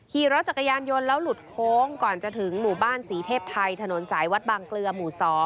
ขี่รถจักรยานยนต์แล้วหลุดโค้งก่อนจะถึงหมู่บ้านศรีเทพไทยถนนสายวัดบางเกลือหมู่๒